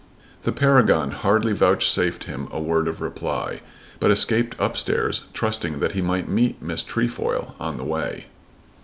The Paragon hardly vouchsafed him a word of reply, but escaped up stairs, trusting that he might meet Miss Trefoil on the way.